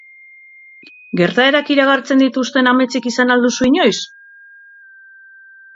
Gertaerak iragartzen dituzten ametsik izan al duzu inoiz?